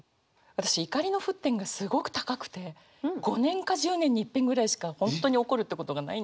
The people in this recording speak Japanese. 私怒りの沸点がすごく高くて５年か１０年にいっぺんぐらいしか本当に怒るってことがないんですよ。